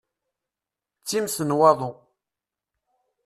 D times n waḍu!